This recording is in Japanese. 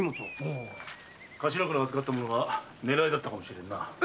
頭から預かった物が狙いだったのかもしれんな。